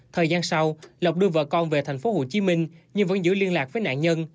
thời gian sau lọc đưa vợ con về thành phố hồ chí minh nhưng vẫn giữ liên lạc với nạn nhân